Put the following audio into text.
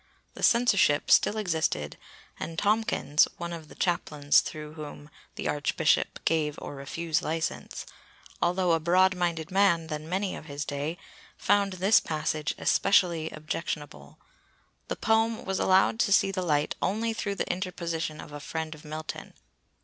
The censorship still existed, and Tomkyns (one of the chaplains through whom the Archbishop gave or refused license), although a broader minded man than many of his day, found this passage especially objectionable. The poem was allowed to see the light only through the interposition of a friend of Milton.